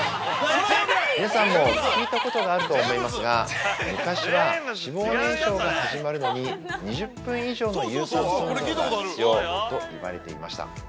皆さんも聞いたことがあるとは思いますが、昔は脂肪燃焼が始まるのに２０分以上の有酸素運動が必要と言われていました。